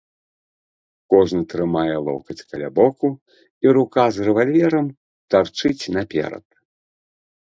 Кожны трымае локаць каля боку і рука з рэвальверам тарчыць наперад.